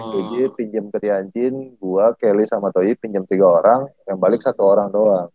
jadi pinjem ke tianjin gua kelly sama toi pinjem tiga orang yang balik satu orang doang